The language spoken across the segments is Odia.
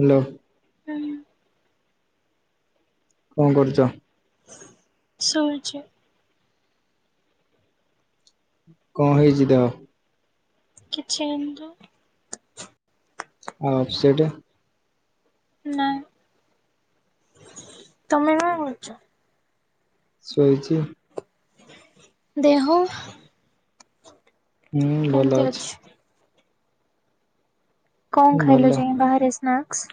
ହ୍ୟାଲୋ ହୁଁ କଣ କରୁଛ ସୋଇଛି କଣ ହେଇଛି ଦେହ କିଛି ହେଇନି ତ? ଉ ଅଫ୍ ସେେଟ୍ ନାଇଁ ତମେ କଣ କରୁଛ? ଶଇଛି ଦେହ ହୁଁ ଭଲ ଅଛି କଣ ଭଲ ଖାଇଲ ଯାଇ ବାହାରେ ସ୍ନାକ୍ସ?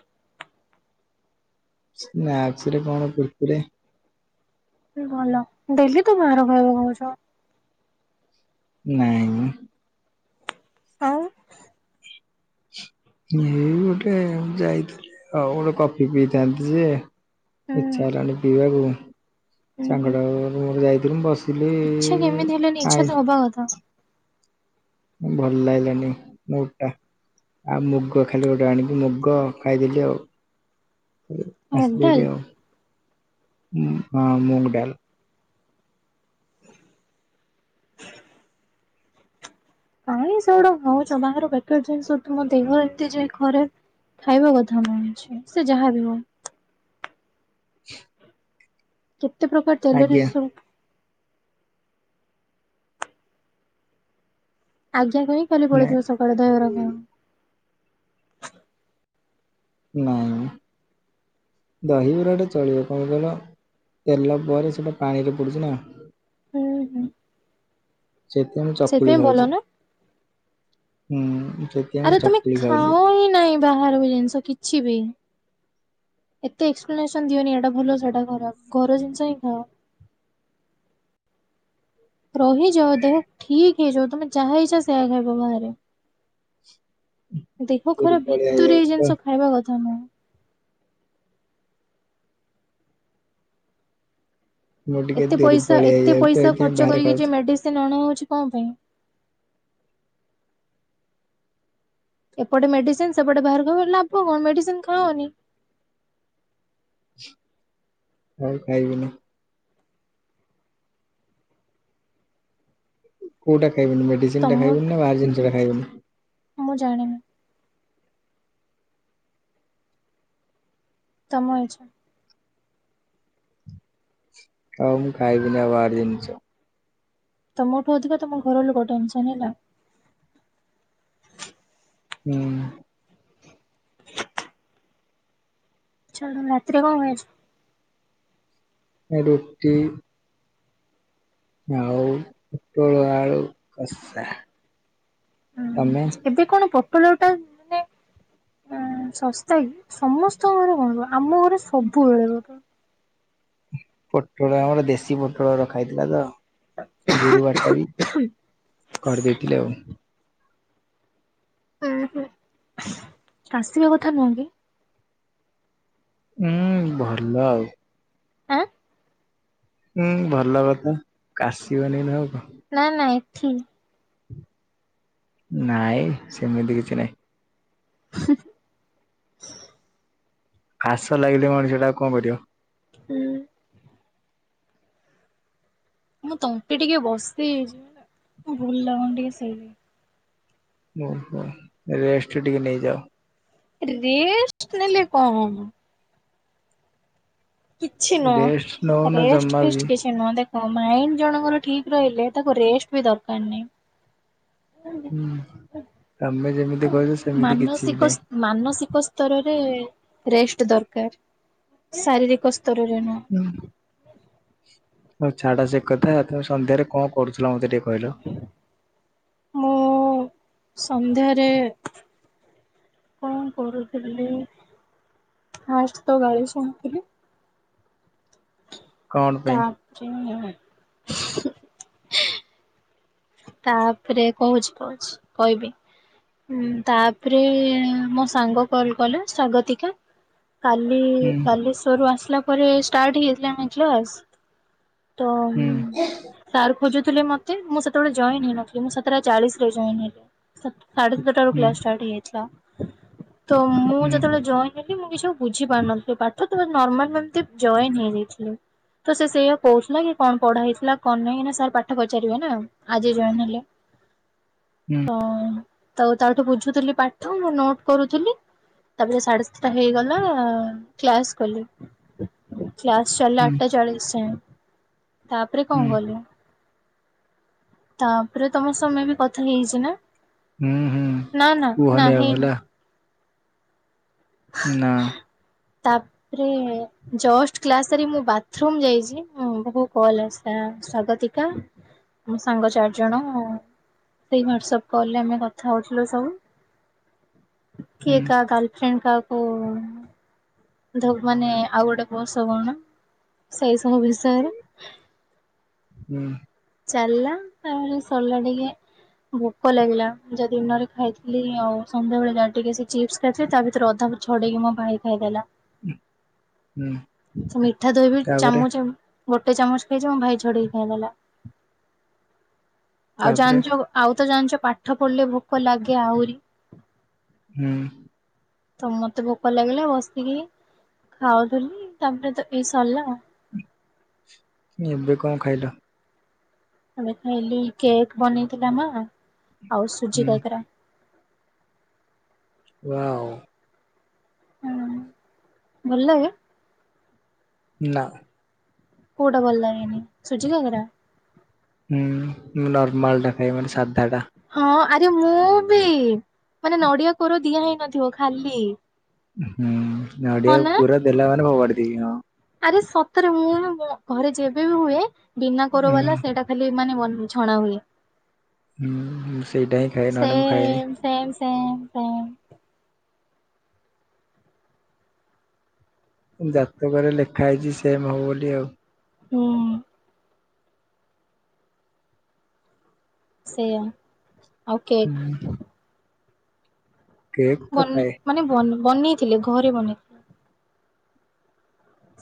ସ୍ନାକସ୍ ରେ କଣ କୁର କୁରି ଭଲ ଡେଲି ତୁ ବାହାର କକୁ କହୁଛ ନାଇଁ ଆଉ ଏଇ ଗୋଟେ ଯାଇଥିଲି ଆଉ ଗୋଟେ କଫି ପିଇଥାନ୍ତି ଯେ ହୁଁ ଛ ହେଲାଣି ବିିିବାକୁ। ହୁଁ ହୁଁ ସାଙ୍ଗଟା ଯାଇଥିଲ ମୁ ବସ ଇଚ୍ଛା କେମିତି ହେଲାନି ଆଲ ଆ [unintelligible] ଭଲ ଲାଗିଲାନି ମୋଟା। ଆଉ ମୁଗ ଖାଲି ଗୋଟେ ଆଣିକି ମୁଗ ଖାଇଦେଲି ଆଉ ମୁଗ ଡାଲ ଆସଲେ ଆଉ ହଁ ମଗଡାଲ। କାହି ସେଗୁଡା ପିଉଛ ଵେକାର ଜିନିସତୁମ ଦେହ ଏତେ ଯାଏ କରାଟେ। ଖାଇବା କଥା ନୁହଁ ସେ ଯାହା ବି ହଉ। କେତେ ପ୍ରକାର ତେଲରେ ଆଜ୍ଞା ସବୁ। ଆଜ୍ଞା କ ହି ଖାଲି ନାଇଁ ପଳେଇଥିବ ସକାଳେ ଦହରା ଖ ନାଆଁ। ଦହିବରାଟା ଚଳିବ କଣ କହିଲ ତେଲ ପରେ ସେଇଟା ପାଣିରେ ପଡ଼ୁଛି ନା। ହୁଁ ହୁଁ। ସେତେଓଳେ ଚକୁଳି ସେଥିପାଇଁ ଭଲ ଖାଉଚି ନା ହୁଁ। ମୁଁ ଆରେ ତମେ ଚକୁଳି ଖାଉଛି ଖାଅ ହିଁ ନାହିଁ ବାହାର ଜିନିଷ କିଛି ବି? ଏତେ ଏକ୍ସପ୍ଲେ ସନ ଦିଅନି ଏଟା ଭଲ ସେଇଟା ଖରାପ ଘର ଜିନିଷ ହିଁ ଖାଅ। ରହିଯ ଦେହ ଠିକ ହେଇଯାଉ ତମେ ଯାହା ଇଛା ସେଇୟା ଖାଇବ ବାହାରେ। ହୁଁ। ଦେହ ଖରାପ ଭିତରେ ଏଇ ଜିନିଷ ଖାଇବା କଥା ନୁହେଁ। ମୁଁ ଟିକେ ଏତେ ପଇସା ଦୁର୍ବଳିଆ ଏତେ ହେଇଯାଉଛି ତ ପଇସା ଏଇଥିପାଇଁ ଖର୍ଚ୍ଚ ବାହାରେ କରିକି ଖାଉଛି ଯେ ମେଡିସିନ ଅଣା ହଉଛି କଣ ପାଇଁ? ଏପଟେ ମେଡିସିନ ସେପଟେ ବାହାରେଖାଇବ ଲାଭ କଣ ମେଡିସିନ ଖାଅନି? ଆଉ ଖାଇବି ନି। କୋଉଟା ଖାଇବନି ମେଡିସିନ ଟା ଖାଇବନି ତମଠୁ ନା ବାହାର ଜିନିଷ ଟା ଖାଇବନି? ମୁଁ ଜାଣିନି। ତମ ଇଚ୍ଛା। ହଉ ମୁଁ ଖାଇବିନି ଆଉ ବାହାର ଜିନିଷ। ତମଠୁ ଅଧିକ ତମ ଘର ଲୋକ ଟେନସନ ହେଲା। ହୁଁ। ଛାଡ ରାତିରେ କଣ ଖାଇଛ? ରୁଟି। ଆଉ ପୋଟଳଆଳୁ କସା। ଏବେ କଣ ପୋଟଲ ଟା ମାନେ? ହଁଶସ୍ତାକି ସମସ୍ତଙ୍କ ଘରେ କଣ? ଆମ ଘରେ ସବୁବେଳେ ଗୋଟେ ପୋଟଳ ଆମର ଦେଶୀ ପୋଟଳ ରଖା ହେଇଥିଲା ତ। ଗୁରୁବାର ଟା ବି କରିଦେଇଥିଲେ ଆଉ କାଶିବା କଥା ନୁହଁ କି? ହୁଁ ଭଲ ଆଉ। ଆଁ। ହୁଁ ଭଲ କଥା କାସିବନିଆଉ କଣ? ନା ନାଇ ଠି। ନାଇଁ ସେମିତି କିଛି ନାହିଁ। କାସ ଲାଗିଲେ ମଣିଷ ଟାଆଉ କଣ କରିବ? ହୁଁ। ମୋ ତଣ୍ଟିଟିକେ ବସି। ଭଲ ଲାଗୁନି ଟିକେ ସେଇ ଓହୋ। ରେଷ୍ଟ ଟିକେ ନେଇଯାଅ। ରେଷ୍ଟ ନେଲେ କଣ ହବ? କିଛି ନୁହ? ରେଷ୍ଟ ନଉନ ଜମା ରେଷ୍ଟ ବି ଫେଷ୍ଟ କିଛି ନୁହ ଦେଖ ମାଇଣ୍ଡ ଜଣଙ୍କର ଠିକ ରହିଲେ ତାକୁ ରେଷ୍ଟ ବି ଦରକାର ନାହିଁ। ହୁଁ ତମେ ଯେମିତି କହୁଛ ସେମିତି କିଛି ମାନସିକ ବି ନାହିଁ। ମାନସିକ ସ୍ତରରେ ରେଷ୍ଟ ଦରକାର। ଶାରୀରିକ ସ୍ତରରେ ନୁହଁ। ହୁଁ। ଛାଡ ସେକଥା ଏଥର ସନ୍ଧ୍ୟାରେ କଣ କରୁଥିଲ ମତେ ଟିକେ କହିଲ? ମୁଁ ସନ୍ଧ୍ୟାରେ କଣ କରୁଥିଲି ଫାଷ୍ଟତ ଗାଳି ଶୁଣିଥିଲି। କଣ ପାଇଁ ତାପରେ ତାପରେ କହୁଚି କହୁଚି କହିବି? ହୁଁ ତାପରେ ମୋ ସାଙ୍ଗ କଲ୍ କଲା ସ୍ଵାଗତିକା କାଲି ହୁଁ ବାଲେଶ୍ଵରରୁ ଆସିଲା ପରେ ଷ୍ଟାର୍ଟ ହେଇଯାଇଥିଲା [unintelligible] ତ ହୁଁ ସାର୍ ଖୋଜୁଥିଲେ ମତେ ମୁଁ ସେ ସେତେବେଳେ ଜଏନ୍ ହେଇନଥିଲି ମୁଁ ସତଟା ଚାଳିଶରେ ଜଏନ୍ ହେଲି ସାଢେ ସାତଟାରୁ ହୁଁ କ୍ଲାସ୍ ଷ୍ଟାର୍ଟ ହେଇଯାଇଥିଲା। ତ ମୁଁ ହୁଁ ଯେତେବେଳେ ଜଏନ୍ ହେଲି ମୁଁ କିଛି ଆଉ ବୁଝି ପାରୁନଥିଲି ପାଠ ତନର୍ମାଲ ଏମିତି ଜଏନ୍ ହେଇଯାଇଥିଲି। ତ ସେଇଆ କହୁଥିଲାକି କଣ ପଢା ହେଇଥିଲା କଣ ନାହିଁ ଏଇନା ସାର୍ ପାଠ ପଚାରିବେନା। ଆଜି ଜଏନ୍ ହେଲେ ହୁଁ ହୁଁ ହଁ। ତ ତାଠୁ ବୁଝୁଥିଲି ପାଠ ମୁ ନୋଟ୍ କରୁଥିଲି ତାପରେ ସାଢେ ସାତଟା ହେଇଗଲା କ୍ଲାସ୍ କଲି। କ୍ଲାସ୍ ଚାଲିଲା ହୁଁ ଆଠଟା ଚାଳିଶି ଯାଏ ତାପରେ ହୁଁ କଣ କଲି? ତାପରେ ତମସ ମେବି କଥା ହେଇଚିନା ହୁଁ ନା ନା ନା କୁହନି ଆଉ ହେଲା ହେଇନି? ନାଁ। ତାପରେ ଯଷ୍ଟ କ୍ଲାସ୍ ସାରି ମୁଁ ବାଥରୁମ୍ ଯାଇଚି ମୋ ମୁଣ୍ଡକୁ କଲ୍ ଆସିଲା ସ୍ଵାଗତିକା ମୋ ସାଙ୍ଗ ଚାରି ଜଣ ସେଇ ହ୍ଵାଟ୍ସଆପ୍ କଲରେ ଆମେ କଥା ହଉଥିଲୁ ସବୁ। ହୁଁ କିଏ କାହା ଗର୍ଲଫ୍ରେଣ୍ଡ କାହାକୁ ଧକ୍ ମାନେ ଆଉ ଗୋଟେ ବସ କଣ ସେଇ ସବୁ ବିଷୟରେ ହୁଁ। ଚାଲିଲା ତାପରେ ସରିଲାଟିକେ ଭୋକ ଲାଗିଲା ଯାଦିନରେ ଖାଇଥିଲ ଆଉ ସନ୍ଧ୍ୟାବେଳେ ଯାଟିକେସେ ଚିପ୍ସ ଖାଇଥିଲି ତାଭିତରେ ଅଧା ଛଡ଼େଇକି ମୋ ଭାଇ ଖାଇଦେଲା ହୁଁ ସେ ମିଠା ଦହିବି ତାପରେ ଚାମଚ୍ ଗୋଟେ ଚାମଚ୍ ଖାଇଚି ମୋଭାଇ ଛଡ଼େଇକି ଖାଇଦେଲା। ଆଉ ତାପରେ ଜାଣିଚ ଆଉତ ଜାଣିଚ ପାଠ ପଢିଲେ ଭୋକ ଲାଗେ ଆହୁରି ହୁଁ। ତ ମତେ ଭୋକ ଲାଗିଲା ବସିକି ଖାଉଥିଲି ତାପରେତ ଏଇ ସରିଲା ଆଉ। ଏବେ କଣ ଖାଇଲ? ଏବେ ଖାଇଲି କେକ୍ ବନେଇଥିଲା ମା ଆଉ ସୁଜି ହୁଁ କାକରା। ୱାଓ। ହୁଁ ଭଲଲାଗେ? ନାଁ। କୋଉଟା ଭଲଲାଗେନି ସୁଝି କାକରା? ହୁଁ ମୁଁ ନର୍ମାଲଟା ଖାଇ ମାନେ ସାଧାଟା। ହଁ ଆରେ ମୁଁବି ମାନେ ନଡ଼ିଆ କୋରା ଦିଆ ହେଇନଥିବ ଖାଲି। ହୁଁ ନଡ଼ିଆ ହଁ ନା ପୁର ଦେଲାମାନେ ଫୋବାଡ଼ିଦେବି ହଁ। ଆରେ ସତରେ ମୁୁ ଘରେ ଯେବେବି ହୁଏ ବିନା କୋର ହୁଁ ବାଲା ସେଇଟା ଖାଲି ମାନେ ବନ୍ ଛଣାହୁଏ। ହୁଁ ସେଇଟାହିଁ ଖାଏ ନହେଲେ ମୁଁ ଖାଏନି। Same same same same. ଜାତକରେ ଲେ ଖାଇଛି ସେମ ହେବବୋଲି ଆଉ। ହୁଁ। Same okay. ହୁଁ କେକ୍ ତ ବନେ ଖାଏ ମାନେ ବ ବନେଇଥିଲେ ଘରେ ବନେଇ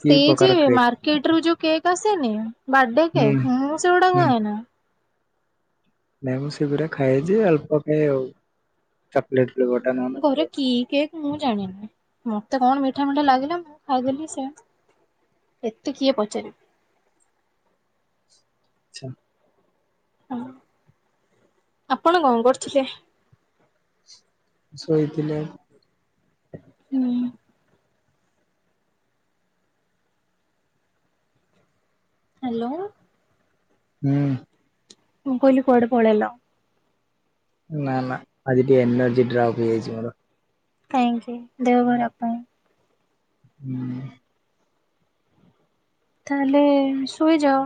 କି ଯେ ପ୍ରକାର କେକ୍ ମାର୍କେଟରୁ ଯୋଉ କେକ ଆସେନି ବାର୍ଡେ ହୁଁ। କେକ ମୁଁ ସେଗୁଡା ହୁଁ ଖାଏନି। ନାଇଁ ମୁଁ ସେଗୁରା ଖାଏ ଯେ ଅଳ୍ପ ଖାଏ ଆଉ ଚକଲେଟ୍ ଫ୍ଲେବର୍ ଟା ମୋ ଘରେ କି କେକ୍ ମୁଁ ଜାଣିନି ମତେ କଣ ମିଠା ମିଠା ଲାଗିଲା ମୁଁ ଖାଇଦେଲି ସେ ଏତେ କିଏ ପଚାରି ଛା ଅ ଆପଣ କ କରୁଥୁଲେ? ଶୋଇଥିଲେ। ହୁଁ। ହାଲୋ। ହୁଁ। ମୁଁ କହିଲି କୁଆଡ଼େ ପଳେଇଲ? ନାଁ ନାଁ ଆଜିି ଟିକେ ଏନର୍ଜି ଡ୍ରପ୍ ହେଇଯାଇଚି ମୋର। କାଇଁକି ଦେହ ଖରାପ ପାଇଁ। ହୁଁ। ତାହେଲେ ଶୋଇଯାଅ।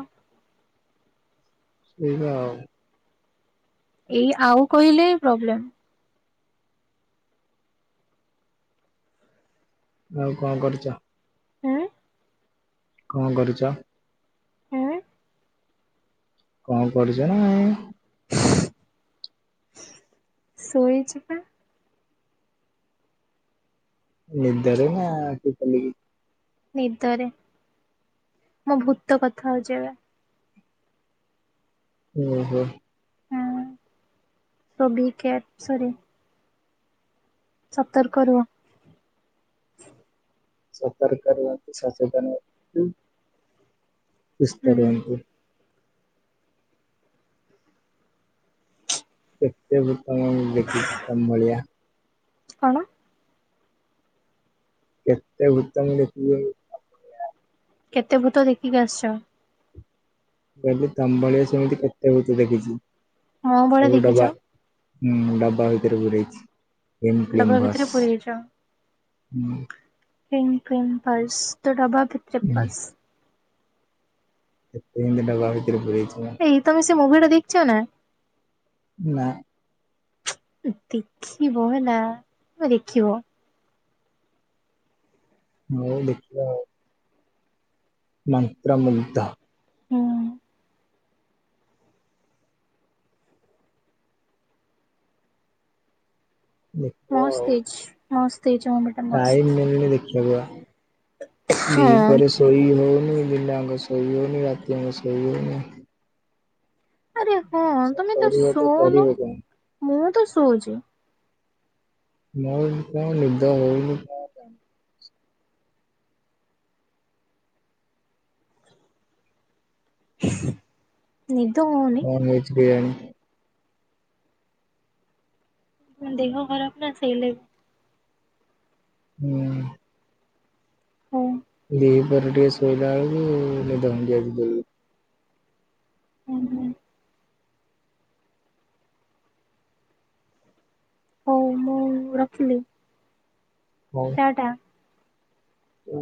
ଶୋଇବା ଆଉ। ଏଇ ଆଉ କହିଲେ ପ୍ରୋବ୍ଲେମ୍। ଆଉ କଁ କରୁଚ? ଉଁ? କଁ କରୁଚ? ଉଁ? କଁ କରୁଚ ନାଁ ଏଁ। ଶୋଇଛି ପା। ନିଦରେ ନାଁ ଆଖି ଖୋଲିକି? ନିଦରେ। ମୋ ଭୂତ କଥା ହଉଚି ଏବେ। ଓହୋ। ହଁ ସୋ ବି କେୟା ସରି। ସତର୍କ ରୁହ। ସତର୍କ ରୁହନ୍ତୁ। ସଚେତନ ନ୍ତୁ। ହୁଁ ସୁସ୍ଥ ରୁହନ୍ତୁ। କେତେ ଭୂତ ମୁଁ ଦେଖିଚି ତମ ଭଳିଆ। କଣ? କେତେ ଭୂତ ମୁଁ ଦେଖିଲିଣି। କେତେ ଭୂତ ଦେଖିକି ଆସଚ? ମୁଁ କହିଲି ତମ ଭଳିଆ ସେମିତି କେତେ ଭୂତ ଦେଖିଚି ମୋ ଭଳିଆ ସବୁ ଦେଖିଛ ଡବା। ଉଁ ଡବା ଭିତରେ ପୁରେଇଛି। ଇମ୍ କ୍ଳିମ୍ ଡବା ଭସ୍ ଭିତରେ ପୁରେଇଛ। ଉଁ ହିଙ୍ଗ୍ କ୍ଳିଙ୍ଗ୍ ଭସ୍ ତୁ ଡବା ଭିତରେ ହୁଁ, ପସ୍। କେତେ ଏମତି ଡବା ଭିତରେ ପୁରେଇଚି ମୁଁ। ଏଇ ତମେ ସେ ମୁଭିଟା ଦେଖଚ ନା? ନାଁ। ଉଁ ଦେଖିବ ହେଲା ଉଆ ଦେଖିବ। ମୋଉ ଦେଖିବା ଆଉ। ନାଇଁ ପୁରା ମୁଗ୍ଧ। ହୁଁ। ଲେ ମସ୍ତ ହେଇଛି ମସ୍ତ ହେଇଚି ମୁଭି। ଟାଇମ୍ ମିଳୁନି ଦେଖିବାକୁ ପା। ହଁ ଦିପହରେ ଶ ଶୋଇ ହଉନି ଦିନ ଆଙ୍କ ଶୋଇ ହଉନି ରାତି ଆଙ୍କ ଶୋଇ ହଉନି। ଆରେ ହଁ ସେ ତମେ ତ କରିବ ଶୋଉନୁ। କରିବ କଣ ମୁଁ ତ ଶୋଉଚି। ମୋ କଁ ନିଦ ହଉନି ପା। ନିଦ ହ ନନଭେଜ୍ ବିରୀୟାନି। ଉଁ ଦେହ ଖରାପ ନା ସେଇଲାଗି। ହୁଁ। ହୁଁ। ଦି ପର ଟିକେ ଶୋଇଲା ଆଳକୁ ନିଦ ଭାଙ୍ଗି ଆଉଛି। ବଉ ହୁଁ-ହୁଁ। ହଉ ମୁଁ ରଖିଲି। ଟା ଟା। ଓ।